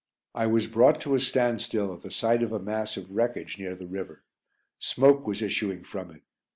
I was brought to a standstill at the sight of a mass of wreckage near the river. Smoke was issuing from it.